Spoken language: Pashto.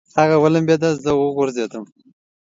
هغه ولمبېده، زه وغورځېدم.